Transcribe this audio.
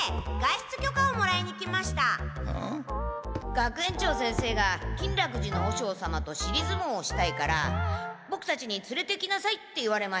学園長先生が金楽寺の和尚様としりずもうをしたいからボクたちにつれてきなさいって言われまして。